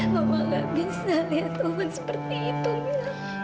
mama nggak bisa lihat tuhan seperti itu mila